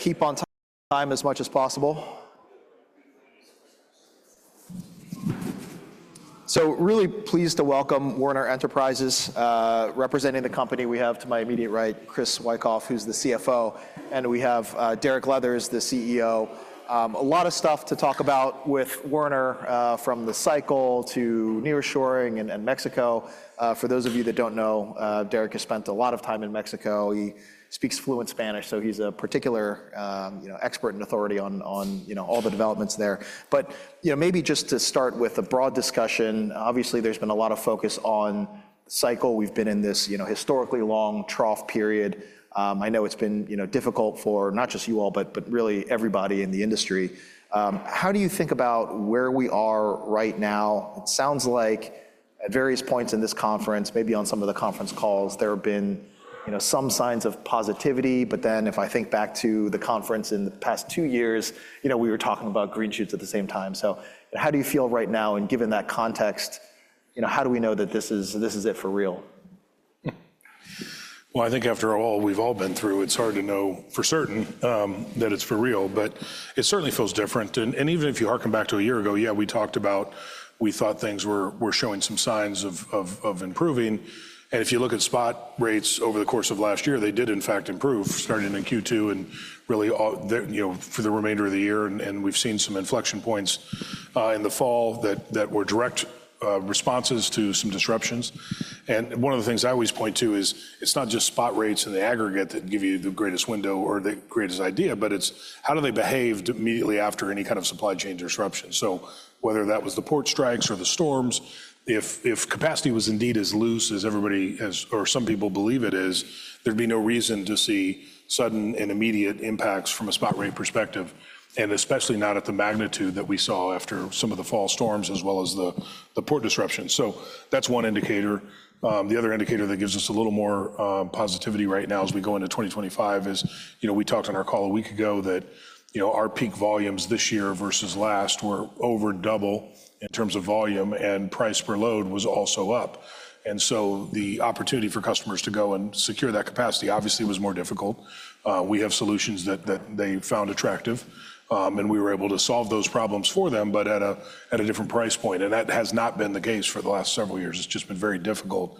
Keep on time as much as possible, so really pleased to welcome Werner Enterprises representing the company we have to my immediate right, Chris Wikoff, who's the CFO, and we have Derek Leathers, the CEO. A lot of stuff to talk about with Werner, from the cycle to nearshoring and Mexico. For those of you that don't know, Derek has spent a lot of time in Mexico. He speaks fluent Spanish, so he's a particular expert and authority on all the developments there, but maybe just to start with a broad discussion, obviously there's been a lot of focus on the cycle. We've been in this historically long trough period. I know it's been difficult for not just you all, but really everybody in the industry. How do you think about where we are right now? It sounds like at various points in this conference, maybe on some of the conference calls, there have been some signs of positivity. But then if I think back to the conference in the past two years, we were talking about green shoots at the same time. So how do you feel right now? And given that context, how do we know that this is it for real? I think after all we've all been through, it's hard to know for certain that it's for real. But it certainly feels different. And even if you hearken back to a year ago, yeah, we talked about we thought things were showing some signs of improving. And if you look at spot rates over the course of last year, they did, in fact, improve, starting in Q2 and really for the remainder of the year. And we've seen some inflection points in the fall that were direct responses to some disruptions. And one of the things I always point to is it's not just spot rates in the aggregate that give you the greatest window or the greatest idea, but it's how do they behave immediately after any kind of supply chain disruption? So whether that was the port strikes or the storms, if capacity was indeed as loose as everybody or some people believe it is, there'd be no reason to see sudden and immediate impacts from a spot rate perspective, and especially not at the magnitude that we saw after some of the fall storms as well as the port disruption. So that's one indicator. The other indicator that gives us a little more positivity right now as we go into 2025 is we talked on our call a week ago that our peak volumes this year versus last were over double in terms of volume, and price per load was also up. And so the opportunity for customers to go and secure that capacity obviously was more difficult. We have solutions that they found attractive, and we were able to solve those problems for them, but at a different price point. And that has not been the case for the last several years. It's just been very difficult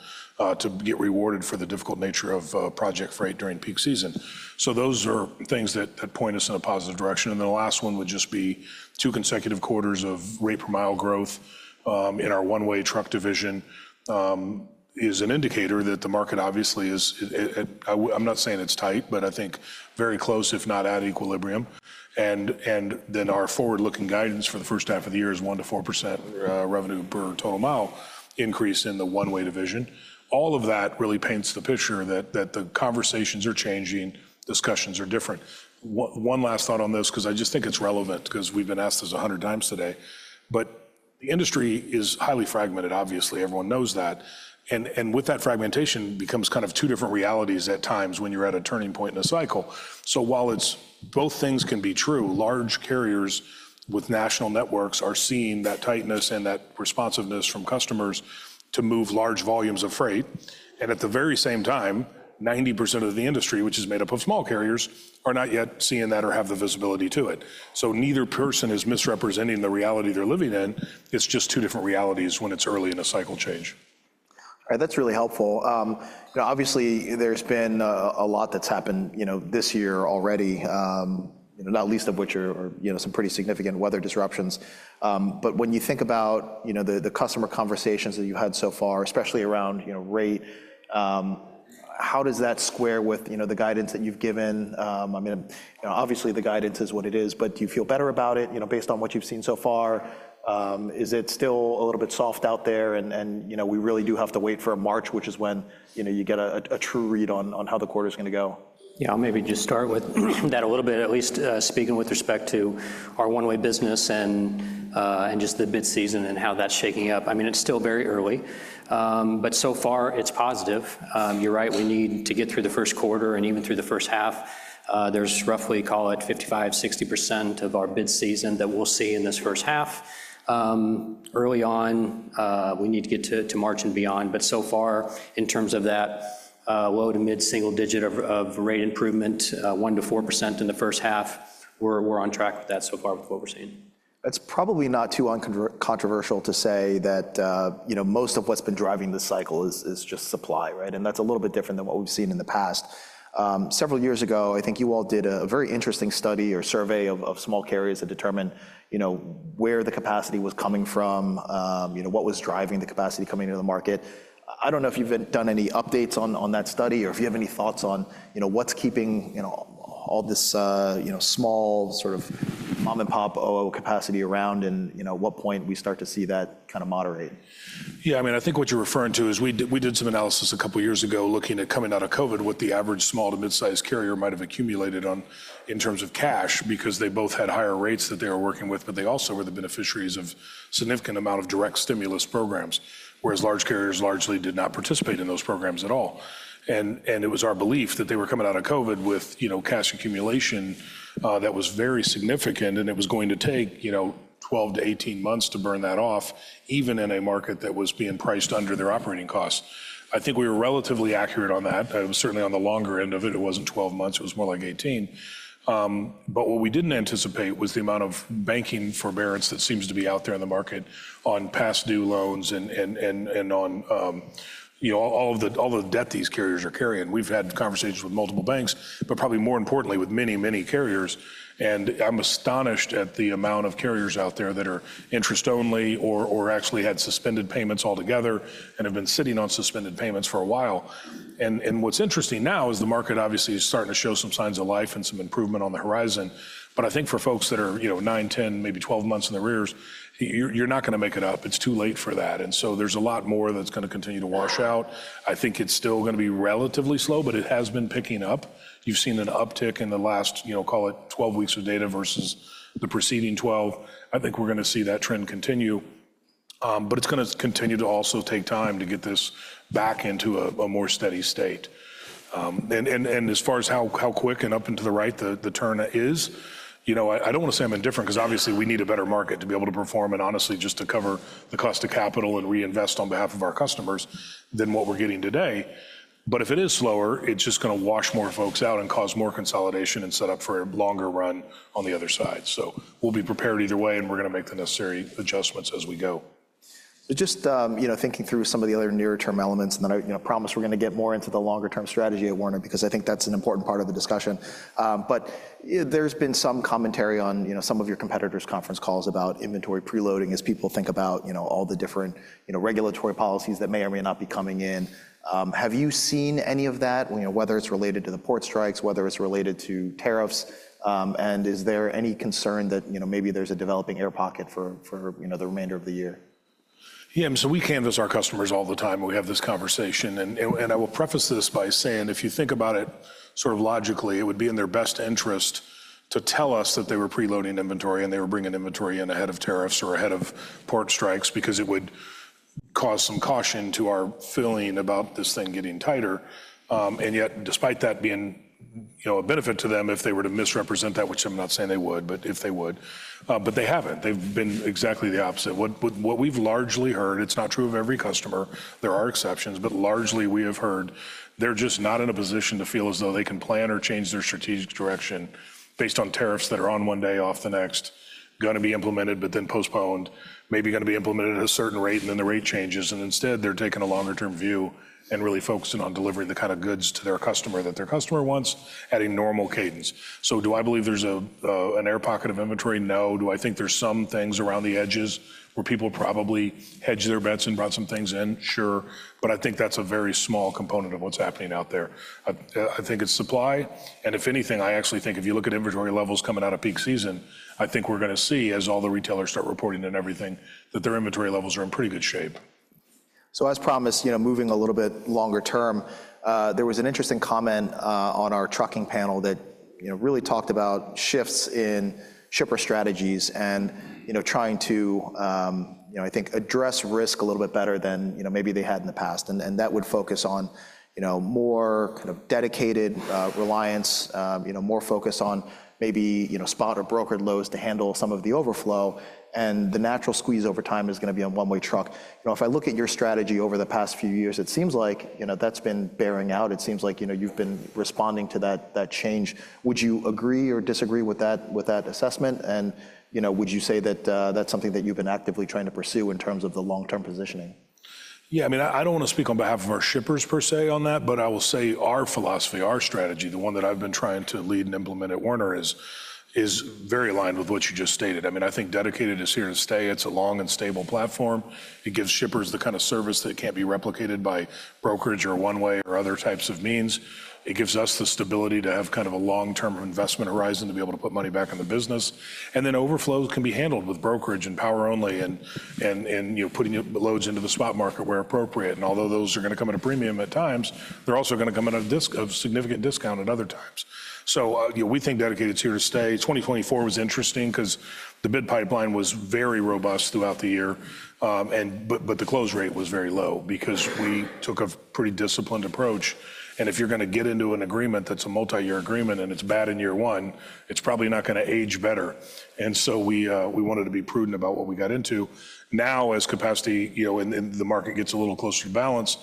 to get rewarded for the difficult nature of project freight during peak season. So those are things that point us in a positive direction. And then the last one would just be two consecutive quarters of rate per mile growth in our One-Way truck division is an indicator that the market obviously is, I'm not saying it's tight, but I think very close, if not at equilibrium. And then our forward-looking guidance for the first half of the year is 1%-4% revenue per total mile increase in the One-Way division. All of that really paints the picture that the conversations are changing, discussions are different. One last thought on this, because I just think it's relevant because we've been asked this 100x today. But the industry is highly fragmented, obviously. Everyone knows that. And with that fragmentation, it becomes kind of two different realities at times when you're at a turning point in a cycle. So while it's both things can be true, large carriers with national networks are seeing that tightness and that responsiveness from customers to move large volumes of freight. And at the very same time, 90% of the industry, which is made up of small carriers, are not yet seeing that or have the visibility to it. So neither person is misrepresenting the reality they're living in. It's just two different realities when it's early in a cycle change. All right, that's really helpful. Obviously, there's been a lot that's happened this year already, not least of which are some pretty significant weather disruptions. But when you think about the customer conversations that you've had so far, especially around rate, how does that square with the guidance that you've given? I mean, obviously, the guidance is what it is, but do you feel better about it based on what you've seen so far? Is it still a little bit soft out there? And we really do have to wait for March, which is when you get a true read on how the quarter is going to go. Yeah, I'll maybe just start with that a little bit, at least speaking with respect to our One-Way business and just the bid season and how that's shaking up. I mean, it's still very early, but so far it's positive. You're right, we need to get through the first quarter and even through the first half. There's roughly, call it 55%-60% of our bid season that we'll see in this first half. Early on, we need to get to March and beyond. But so far, in terms of that low to mid single digit of rate improvement, 1%-4% in the first half, we're on track with that so far with what we're seeing. It's probably not too controversial to say that most of what's been driving the cycle is just supply, right? And that's a little bit different than what we've seen in the past. Several years ago, I think you all did a very interesting study or survey of small carriers to determine where the capacity was coming from, what was driving the capacity coming into the market. I don't know if you've done any updates on that study or if you have any thoughts on what's keeping all this small sort of mom-and-pop O-O capacity around and what point we start to see that kind of moderate? Yeah, I mean, I think what you're referring to is we did some analysis a couple of years ago looking at coming out of COVID, what the average small to mid-sized carrier might have accumulated on in terms of cash because they both had higher rates that they were working with, but they also were the beneficiaries of a significant amount of direct stimulus programs, whereas large carriers largely did not participate in those programs at all, and it was our belief that they were coming out of COVID with cash accumulation that was very significant, and it was going to take 12 months-18 months to burn that off, even in a market that was being priced under their operating costs. I think we were relatively accurate on that. I was certainly on the longer end of it. It wasn't 12 months. It was more like 18 months. What we didn't anticipate was the amount of banking forbearance that seems to be out there in the market on past due loans and on all of the debt these carriers are carrying. We've had conversations with multiple banks, but probably more importantly, with many, many carriers. And I'm astonished at the amount of carriers out there that are interest-only or actually had suspended payments altogether and have been sitting on suspended payments for a while. And what's interesting now is the market obviously is starting to show some signs of life and some improvement on the horizon. But I think for folks that are nine months, 10 months, maybe 12 months in arrears, you're not going to make it up. It's too late for that. And so there's a lot more that's going to continue to wash out. I think it's still going to be relatively slow, but it has been picking up. You've seen an uptick in the last, call it 12 weeks of data versus the preceding 12. I think we're going to see that trend continue, but it's going to continue to also take time to get this back into a more steady state, and as far as how quick and up and to the right the turn is, I don't want to say I'm indifferent because obviously we need a better market to be able to perform and honestly just to cover the cost of capital and reinvest on behalf of our customers than what we're getting today, but if it is slower, it's just going to wash more folks out and cause more consolidation and set up for a longer run on the other side. So we'll be prepared either way, and we're going to make the necessary adjustments as we go. Just thinking through some of the other near-term elements, and then I promise we're going to get more into the longer-term strategy at Werner because I think that's an important part of the discussion. But there's been some commentary on some of your competitors' conference calls about inventory preloading as people think about all the different regulatory policies that may or may not be coming in. Have you seen any of that, whether it's related to the port strikes, whether it's related to tariffs? And is there any concern that maybe there's a developing air pocket for the remainder of the year? Yeah, so we canvass our customers all the time when we have this conversation, and I will preface this by saying if you think about it sort of logically, it would be in their best interest to tell us that they were preloading inventory and they were bringing inventory in ahead of tariffs or ahead of port strikes because it would cause some caution to our feeling about this thing getting tighter, and yet, despite that being a benefit to them, if they were to misrepresent that, which I'm not saying they would, but if they would, but they haven't. They've been exactly the opposite. What we've largely heard. It's not true of every customer. There are exceptions, but largely we have heard they're just not in a position to feel as though they can plan or change their strategic direction based on tariffs that are on one day, off the next, going to be implemented, but then postponed, maybe going to be implemented at a certain rate, and then the rate changes, and instead, they're taking a longer-term view and really focusing on delivering the kind of goods to their customer that their customer wants at a normal cadence, so do I believe there's an air pocket of inventory? No. Do I think there's some things around the edges where people probably hedged their bets and brought some things in? Sure, but I think that's a very small component of what's happening out there. I think it's supply. And if anything, I actually think if you look at inventory levels coming out of peak season, I think we're going to see, as all the retailers start reporting and everything, that their inventory levels are in pretty good shape. So as promised, moving a little bit longer term, there was an interesting comment on our trucking panel that really talked about shifts in shipper strategies and trying to, I think, address risk a little bit better than maybe they had in the past. And that would focus on more kind of Dedicated reliance, more focus on maybe spot or brokered loads to handle some of the overflow. And the natural squeeze over time is going to be on One-Way truck. If I look at your strategy over the past few years, it seems like that's been bearing out. It seems like you've been responding to that change. Would you agree or disagree with that assessment? And would you say that that's something that you've been actively trying to pursue in terms of the long-term positioning? Yeah, I mean, I don't want to speak on behalf of our shippers per se on that, but I will say our philosophy, our strategy, the one that I've been trying to lead and implement at Werner is very aligned with what you just stated. I mean, I think Dedicated is here to stay. It's a long and stable platform. It gives shippers the kind of service that can't be replicated by brokerage or One-Way or other types of means. It gives us the stability to have kind of a long-term investment horizon to be able to put money back in the business. And then overflows can be handled with brokerage and power only and putting loads into the spot market where appropriate. And although those are going to come at a premium at times, they're also going to come at a significant discount at other times. We think Dedicated is here to stay. 2024 was interesting because the bid pipeline was very robust throughout the year, but the close rate was very low because we took a pretty disciplined approach. If you're going to get into an agreement that's a multi-year agreement and it's bad in year one, it's probably not going to age better. We wanted to be prudent about what we got into. Now, as capacity in the market gets a little closer to balance,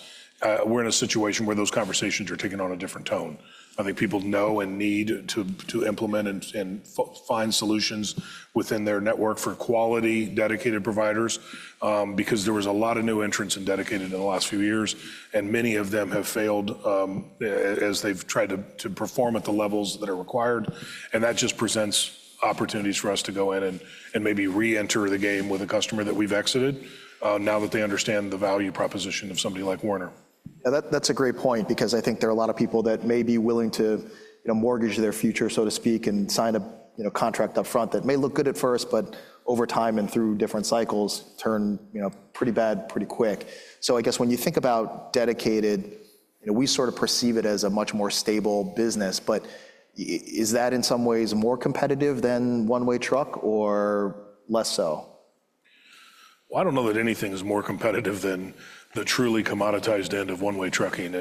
we're in a situation where those conversations are taking on a different tone. I think people know and need to implement and find solutions within their network for quality Dedicated providers because there was a lot of new entrants in Dedicated in the last few years, and many of them have failed as they've tried to perform at the levels that are required. That just presents opportunities for us to go in and maybe re-enter the game with a customer that we've exited now that they understand the value proposition of somebody like Werner. Yeah, that's a great point because I think there are a lot of people that may be willing to mortgage their future, so to speak, and sign a contract upfront that may look good at first, but over time and through different cycles turn pretty bad pretty quick. So I guess when you think about Dedicated, we sort of perceive it as a much more stable business, but is that in some ways more competitive than One-Way truck or less so? I don't know that anything is more competitive than the truly commoditized end of One-Way trucking.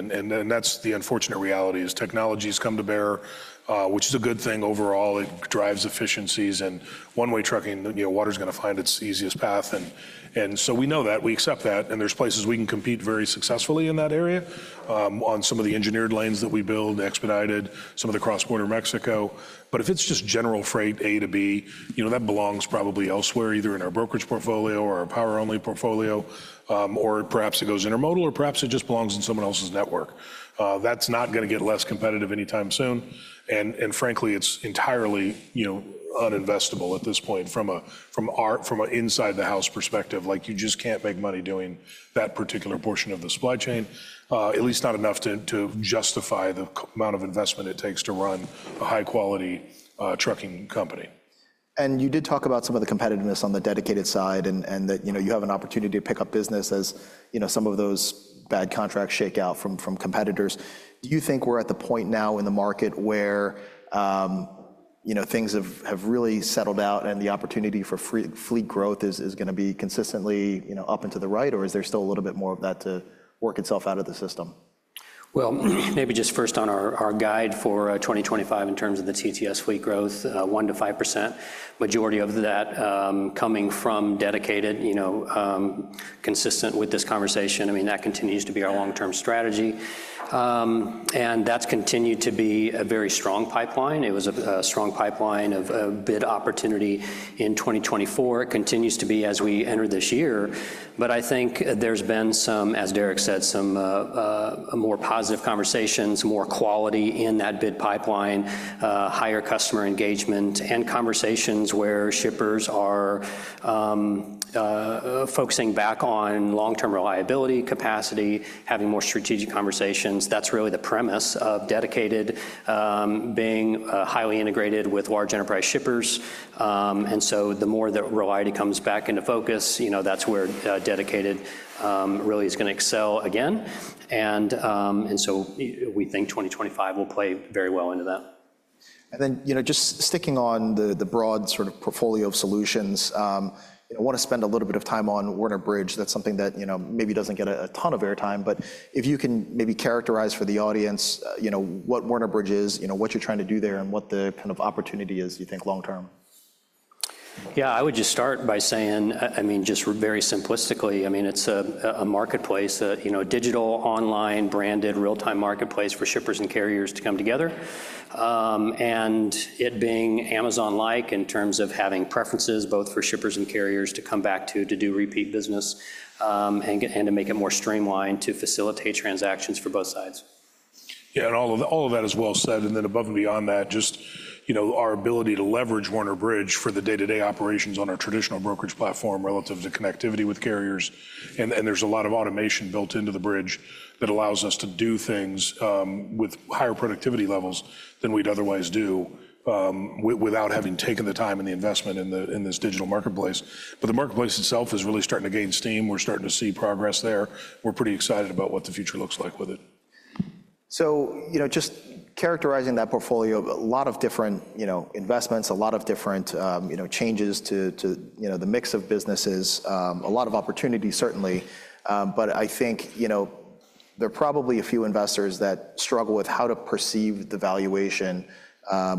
That's the unfortunate reality is technologies come to bear, which is a good thing overall. It drives efficiencies and One-Way trucking, water's going to find its easiest path. So we know that, we accept that. There's places we can compete very successfully in that area on some of the engineered lanes that we build, expedited, some of the cross-border Mexico. If it's just general freight A-B, that belongs probably elsewhere, either in our brokerage portfolio or our power-only portfolio, or perhaps it goes intermodal, or perhaps it just belongs in someone else's network. That's not going to get less competitive anytime soon. Frankly, it's entirely uninvestable at this point from an inside-the-house perspective. Like you just can't make money doing that particular portion of the supply chain, at least not enough to justify the amount of investment it takes to run a high-quality trucking company. You did talk about some of the competitiveness on the Dedicated side and that you have an opportunity to pick up business as some of those bad contracts shake out from competitors. Do you think we're at the point now in the market where things have really settled out and the opportunity for fleet growth is going to be consistently up and to the right, or is there still a little bit more of that to work itself out of the system? Maybe just first on our guide for 2025 in terms of the TTS fleet growth, 1%-5%, majority of that coming from Dedicated, consistent with this conversation. I mean, that continues to be our long-term strategy, and that's continued to be a very strong pipeline. It was a strong pipeline of bid opportunity in 2024. It continues to be as we enter this year. But I think there's been some, as Derek said, some more positive conversations, more quality in that bid pipeline, higher customer engagement, and conversations where shippers are focusing back on long-term reliability, capacity, having more strategic conversations. That's really the premise of Dedicated being highly integrated with large enterprise shippers. And so the more that reliability comes back into focus, that's where Dedicated really is going to excel again. And so we think 2025 will play very well into that. And then just sticking on the broad sort of portfolio of solutions, I want to spend a little bit of time on Werner Bridge. That's something that maybe doesn't get a ton of airtime, but if you can maybe characterize for the audience what Werner Bridge is, what you're trying to do there, and what the kind of opportunity is, you think long-term. Yeah, I would just start by saying, I mean, just very simplistically, I mean, it's a marketplace, a digital online branded real-time marketplace for shippers and carriers to come together, and it being Amazon-like in terms of having preferences both for shippers and carriers to come back to do repeat business and to make it more streamlined to facilitate transactions for both sides. Yeah, and all of that is well said. And then above and beyond that, just our ability to leverage Werner Bridge for the day-to-day operations on our traditional brokerage platform relative to connectivity with carriers. And there's a lot of automation built into the bridge that allows us to do things with higher productivity levels than we'd otherwise do without having taken the time and the investment in this digital marketplace. But the marketplace itself is really starting to gain steam. We're starting to see progress there. We're pretty excited about what the future looks like with it. Just characterizing that portfolio of a lot of different investments, a lot of different changes to the mix of businesses, a lot of opportunity certainly, but I think there are probably a few investors that struggle with how to perceive the valuation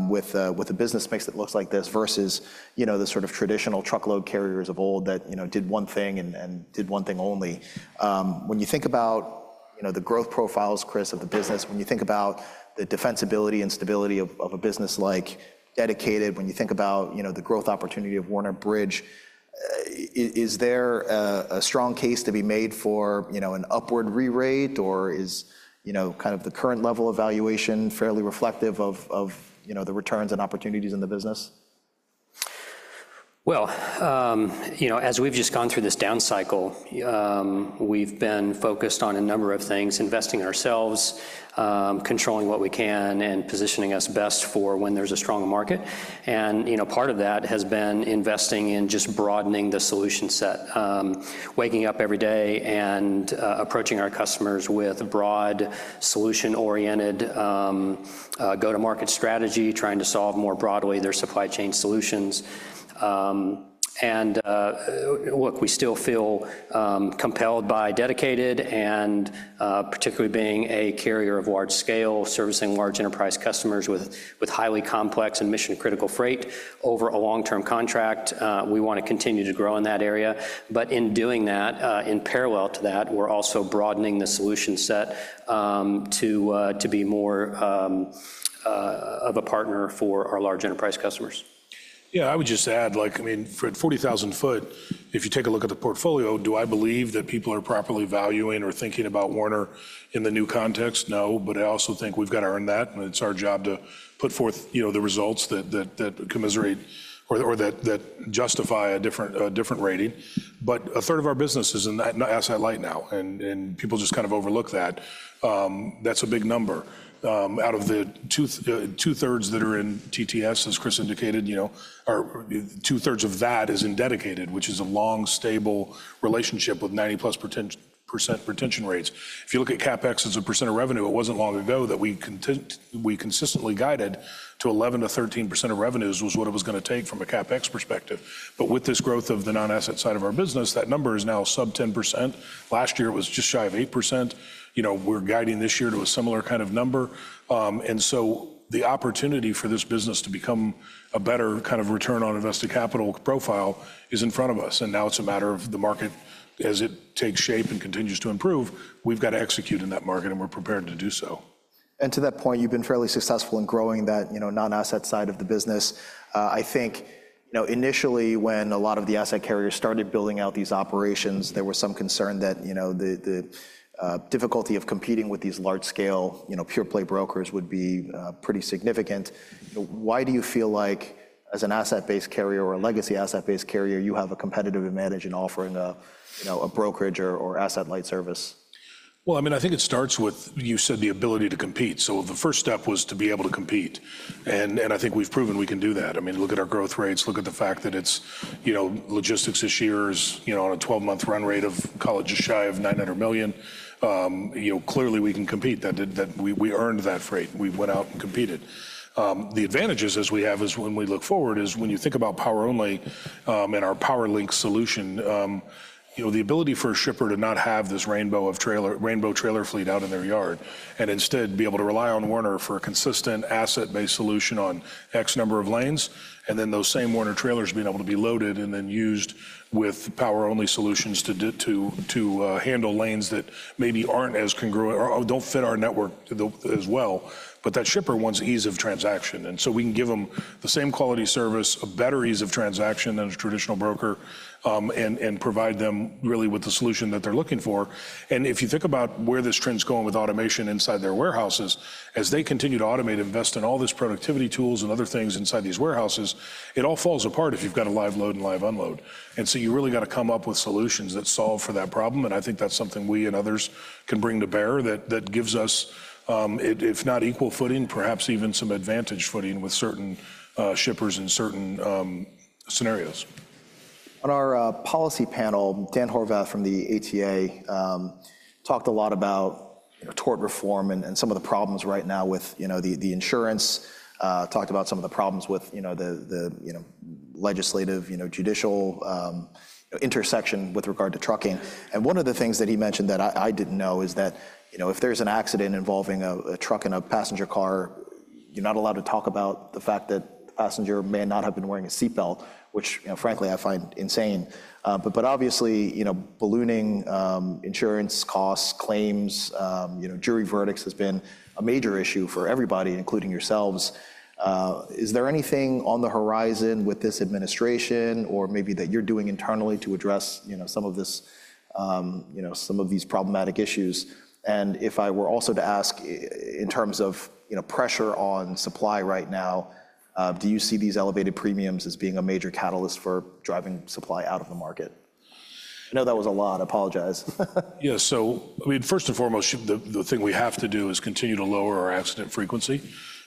with a business mix that looks like this versus the sort of traditional truckload carriers of old that did one thing and did one thing only. When you think about the growth profiles, Chris, of the business, when you think about the defensibility and stability of a business like Dedicated, when you think about the growth opportunity of Werner Bridge, is there a strong case to be made for an upward re-rate, or is kind of the current level of valuation fairly reflective of the returns and opportunities in the business? As we've just gone through this down cycle, we've been focused on a number of things, investing ourselves, controlling what we can, and positioning us best for when there's a strong market. Part of that has been investing in just broadening the solution set, waking up every day and approaching our customers with a broad solution-oriented go-to-market strategy, trying to solve more broadly their supply chain solutions. Look, we still feel compelled by Dedicated and particularly being a carrier of large scale, servicing large enterprise customers with highly complex and mission-critical freight over a long-term contract. We want to continue to grow in that area. In doing that, in parallel to that, we're also broadening the solution set to be more of a partner for our large enterprise customers. Yeah, I would just add, I mean, for 40,000 ft, if you take a look at the portfolio, do I believe that people are properly valuing or thinking about Werner in the new context? No, but I also think we've got to earn that. It's our job to put forth the results that commensurate or that justify a different rating. But a third of our business is in asset light now, and people just kind of overlook that. That's a big number. Out of the two-thirds that are in TTS, as Chris indicated, two-thirds of that is in Dedicated, which is a long, stable relationship with 90=% retention rates. If you look at CapEx as a percent of revenue, it wasn't long ago that we consistently guided to 11%-13% of revenues was what it was going to take from a CapEx perspective. But with this growth of the non-asset side of our business, that number is now sub 10%. Last year, it was just shy of 8%. We're guiding this year to a similar kind of number. And so the opportunity for this business to become a better kind of return on invested capital profile is in front of us. And now it's a matter of the market, as it takes shape and continues to improve. We've got to execute in that market, and we're prepared to do so. To that point, you've been fairly successful in growing that non-asset side of the business. I think initially, when a lot of the asset carriers started building out these operations, there was some concern that the difficulty of competing with these large-scale pure-play brokers would be pretty significant. Why do you feel like, as an asset-based carrier or a legacy asset-based carrier, you have a competitive advantage in offering a brokerage or asset-light service? I mean, I think it starts with, you said, the ability to compete. So the first step was to be able to compete. And I think we've proven we can do that. I mean, look at our growth rates, look at the fact that its Logistics this year is on a 12-month run rate of close to just shy of $900 million. Clearly, we can compete. We earned that freight. We went out and competed. The advantages as we have is when we look forward is when you think about power-only and our PowerLink solution, the ability for a shipper to not have this rainbow trailer fleet out in their yard and instead be able to rely on Werner for a consistent asset-based solution on X number of lanes, and then those same Werner trailers being able to be loaded and then used with power-only solutions to handle lanes that maybe aren't as congruent or don't fit our network as well, but that shipper wants ease of transaction, and so we can give them the same quality service, a better ease of transaction than a traditional broker, and provide them really with the solution that they're looking for. And if you think about where this trend's going with automation inside their warehouses, as they continue to automate, invest in all these productivity tools and other things inside these warehouses, it all falls apart if you've got a live load and live unload. And so you really got to come up with solutions that solve for that problem. And I think that's something we and others can bring to bear that gives us, if not equal footing, perhaps even some advantage footing with certain shippers in certain scenarios. On our policy panel, Dan Horvath from the ATA talked a lot about tort reform and some of the problems right now with the insurance, talked about some of the problems with the legislative, judicial intersection with regard to trucking, and one of the things that he mentioned that I didn't know is that if there's an accident involving a truck and a passenger car, you're not allowed to talk about the fact that the passenger may not have been wearing a seat belt, which frankly, I find insane, but obviously, ballooning insurance costs, claims, jury verdicts has been a major issue for everybody, including yourselves. Is there anything on the horizon with this administration or maybe that you're doing internally to address some of these problematic issues? If I were also to ask in terms of pressure on supply right now, do you see these elevated premiums as being a major catalyst for driving supply out of the market? I know that was a lot. Apologize. Yeah, so I mean, first and foremost, the thing we have to do is continue to lower our accident frequency,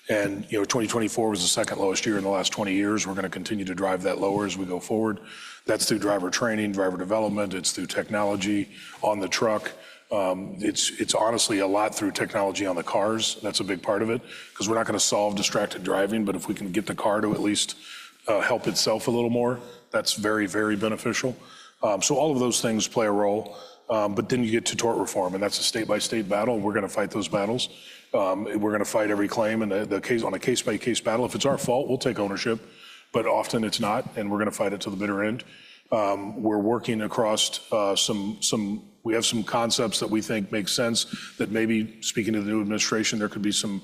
and 2024 was the second lowest year in the last 20 years. We're going to continue to drive that lower as we go forward. That's through driver training, driver development. It's through technology on the truck. It's honestly a lot through technology on the cars. That's a big part of it because we're not going to solve distracted driving, but if we can get the car to at least help itself a little more, that's very, very beneficial, so all of those things play a role, but then you get to tort reform, and that's a state-by-state battle. We're going to fight those battles. We're going to fight every claim and on a case-by-case battle. If it's our fault, we'll take ownership, but often it's not, and we're going to fight it to the bitter end. We're working across some. We have some concepts that we think make sense that maybe speaking to the new administration, there could be some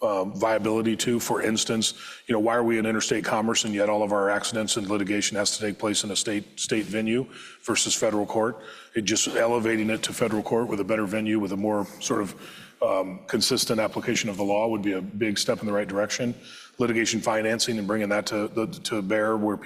viability to. For instance, why are we in interstate commerce and yet all of our accidents and litigation has to take place in a state venue versus federal court? Just elevating it to federal court with a better venue, with a more sort of consistent application of the law would be a big step in the right direction. Litigation financing and bringing that to bear where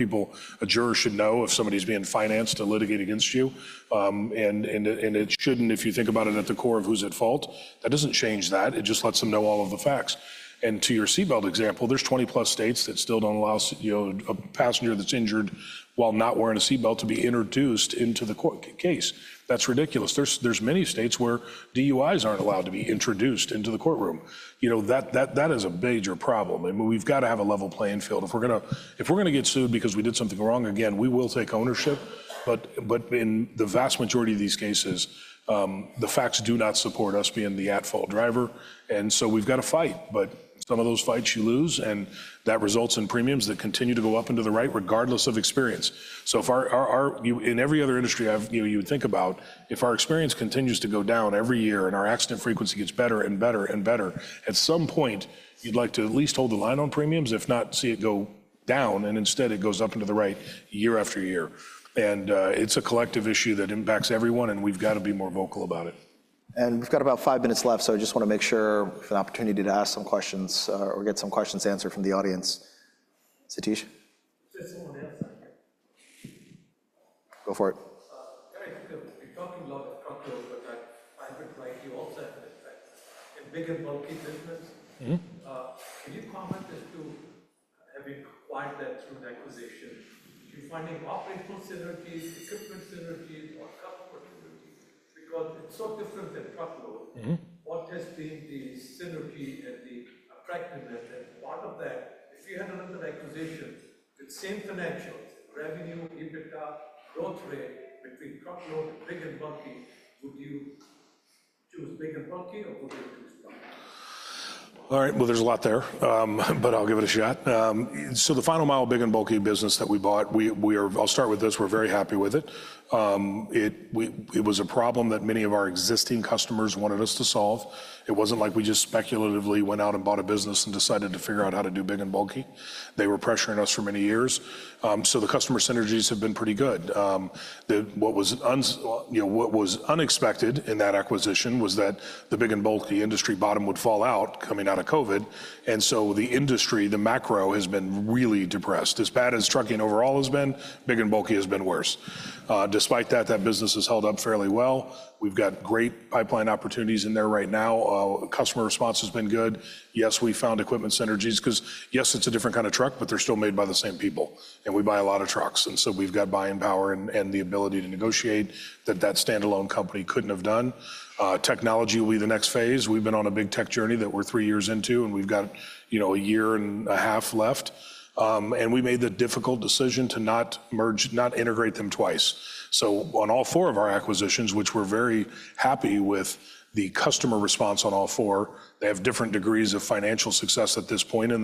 a juror should know if somebody's being financed to litigate against you, and it shouldn't, if you think about it at the core of who's at fault, that doesn't change that. It just lets them know all of the facts, and to your seat belt example, there's 20+ states that still don't allow a passenger that's injured while not wearing a seat belt to be introduced into the case. That's ridiculous. There's many states where DUIs aren't allowed to be introduced into the courtroom. That is a major problem. I mean, we've got to have a level playing field. If we're going to get sued because we did something wrong again, we will take ownership, but in the vast majority of these cases, the facts do not support us being the at-fault driver, and so we've got to fight, but some of those fights you lose, and that results in premiums that continue to go up outright regardless of experience. In every other industry you would think about, if our experience continues to go down every year and our accident frequency gets better and better and better, at some point, you'd like to at least hold the line on premiums, if not see it go down, and instead it goes up year after year. It's a collective issue that impacts everyone, and we've got to be more vocal about it. We've got about five minutes left, so I just want to make sure we have an opportunity to ask some questions or get some questions answered from the audience. Satish. Go for it. You're talking a lot of truckloads, but I have a question also in big and bulky business. Can you comment as to having acquired that through an acquisition? Do you find any operational synergies, equipment synergies, or customer synergies? Because it's so different than truckload. What has been the synergy and the attractiveness? And part of that, if you had another acquisition with same financials, revenue, EBITDA, growth rate between truckload and big and bulky, would you choose big and bulky or would you choose truckload? All right, well, there's a lot there, but I'll give it a shot. So the Final Mile big and bulky business that we bought, I'll start with this. We're very happy with it. It was a problem that many of our existing customers wanted us to solve. It wasn't like we just speculatively went out and bought a business and decided to figure out how to do big and bulky. They were pressuring us for many years. So the customer synergies have been pretty good. What was unexpected in that acquisition was that the big and bulky industry bottom would fall out coming out of COVID. And so the industry, the macro has been really depressed. As bad as trucking overall has been, big and bulky has been worse. Despite that, that business has held up fairly well. We've got great pipeline opportunities in there right now. Customer response has been good. Yes, we found equipment synergies because yes, it's a different kind of truck, but they're still made by the same people, and we buy a lot of trucks, and so we've got buying power and the ability to negotiate that that standalone company couldn't have done. Technology will be the next phase. We've been on a big tech journey that we're three years into, and we've got a year and a half left, and we made the difficult decision to not integrate them twice, so on all four of our acquisitions, which we're very happy with the customer response on all four, they have different degrees of financial success at this point in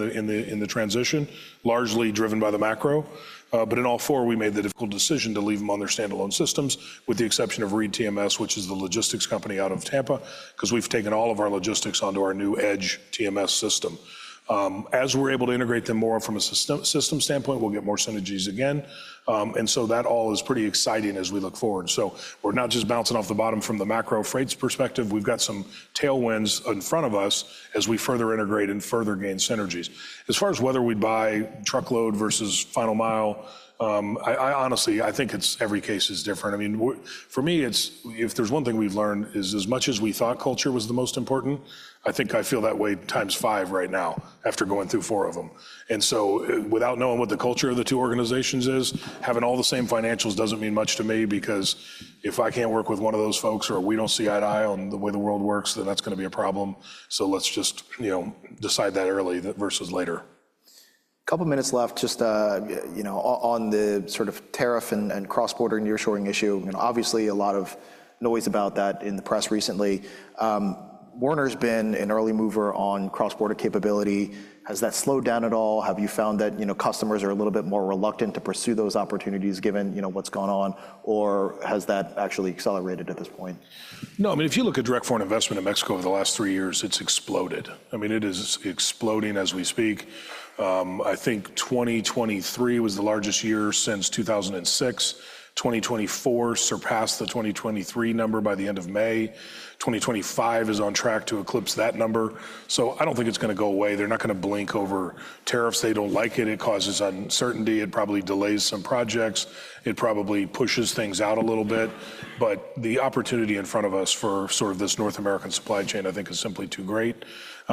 the transition, largely driven by the macro. But in all four, we made the difficult decision to leave them on their standalone systems with the exception of ReedTMS, which is the logistics company out of Tampa because we've taken all of our logistics onto our new EDGE TMS system. As we're able to integrate them more from a system standpoint, we'll get more synergies again. And so that all is pretty exciting as we look forward. So we're not just bouncing off the bottom from the macro freight perspective. We've got some tailwinds in front of us as we further integrate and further gain synergies. As far as whether we buy truckload versus final mile, I honestly, I think every case is different. I mean, for me, if there's one thing we've learned is as much as we thought culture was the most important, I think I feel that way times five right now after going through four of them, and so without knowing what the culture of the two organizations is, having all the same financials doesn't mean much to me because if I can't work with one of those folks or we don't see eye to eye on the way the world works, then that's going to be a problem, so let's just decide that early versus later. A couple of minutes left just on the sort of tariff and cross-border nearshoring issue. Obviously, a lot of noise about that in the press recently. Werner has been an early mover on cross-border capability. Has that slowed down at all? Have you found that customers are a little bit more reluctant to pursue those opportunities given what's going on, or has that actually accelerated at this point? No, I mean, if you look at direct foreign investment in Mexico over the last three years, it's exploded. I mean, it is exploding as we speak. I think 2023 was the largest year since 2006. 2024 surpassed the 2023 number by the end of May. 2025 is on track to eclipse that number. So I don't think it's going to go away. They're not going to blink over tariffs. They don't like it. It causes uncertainty. It probably delays some projects. It probably pushes things out a little bit, but the opportunity in front of us for sort of this North American supply chain, I think, is simply too great,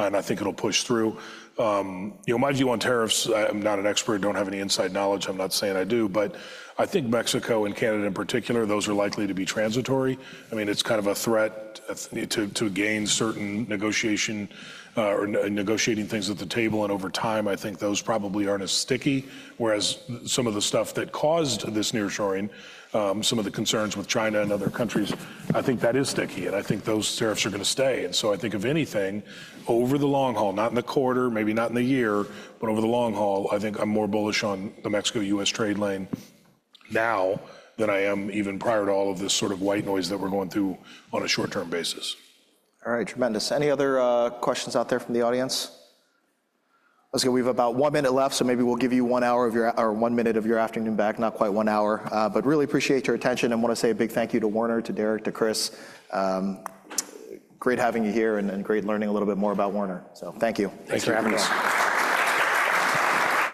and I think it'll push through. Mind you, on tariffs, I'm not an expert. I don't have any inside knowledge. I'm not saying I do. But I think Mexico and Canada in particular, those are likely to be transitory. I mean, it's kind of a threat to gain certain negotiation or negotiating things at the table. And over time, I think those probably aren't as sticky. Whereas some of the stuff that caused this nearshoring, some of the concerns with China and other countries, I think that is sticky. And I think those tariffs are going to stay. And so I think of anything over the long haul, not in the quarter, maybe not in a year, but over the long haul, I think I'm more bullish on the Mexico-U.S. trade lane now than I am even prior to all of this sort of white noise that we're going through on a short-term basis. All right, tremendous. Any other questions out there from the audience? We have about one minute left, so maybe we'll give you one hour of your or one minute of your afternoon back, not quite one hour. But really appreciate your attention and want to say a big thank you to Werner, to Derek, to Chris. Great having you here and great learning a little bit more about Werner. So thank you. Thanks for having us.